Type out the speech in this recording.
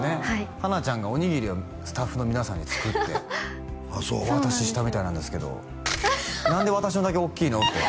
花ちゃんがおにぎりをスタッフの皆さんに作ってあそうお渡ししたみたいなんですけど何で私のだけ大きいの？って